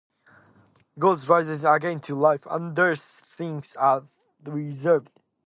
God rises again to life, and thus things are reversed.